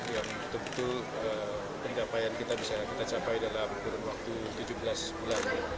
yang betul betul pencapaian kita bisa kita capai dalam kurun waktu tujuh belas bulan